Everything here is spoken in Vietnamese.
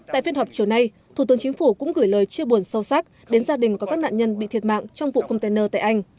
tại phiên họp chiều nay thủ tướng chính phủ cũng gửi lời chia buồn sâu sắc đến gia đình có các nạn nhân bị thiệt mạng trong vụ container tại anh